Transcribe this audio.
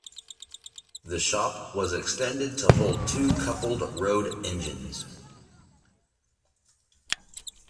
The shop was extended to hold two coupled road engines.